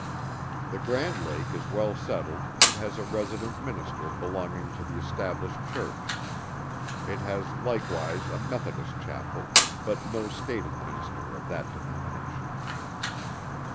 The Grand Lake is well settled, and has a resident Minister belonging to the Established Church. It has likewise a Methodist Chapel; but no stated minister of that denomination.